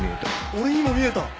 俺にも見えた！